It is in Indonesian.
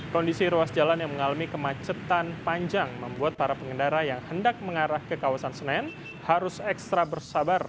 kondisi ruas jalan yang mengalami kemacetan panjang membuat para pengendara yang hendak mengarah ke kawasan senen harus ekstra bersabar